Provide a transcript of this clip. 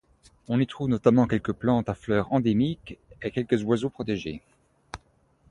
On y trouve notamment quelques plantes à fleurs endémiques et quelques oiseaux protégés.